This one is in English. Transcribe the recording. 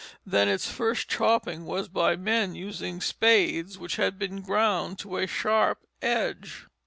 Then its first chopping was by men using spades which had been ground to a sharp edge.